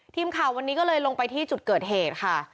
ทีมข่าววันนี้ก็เลยลงไปที่จุดเกิดเหตุค่ะ